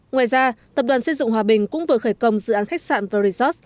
ngoài ra tập đoàn xây dựng hòa bình cũng vừa khởi công dự án khách sạn và resort